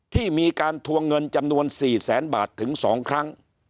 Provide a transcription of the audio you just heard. ที่มีการทวงเงินจำนวน๔แสนบาทถึง๒ครั้ง